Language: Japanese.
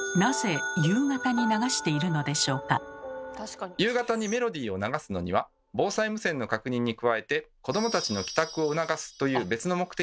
しかし夕方にメロディーを流すのには防災無線の確認に加えて「子どもたちの帰宅を促す」という別の目的もあります。